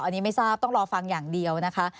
อันนี้ไม่ทราบต้องรอฟังอย่างเดียวนะคะ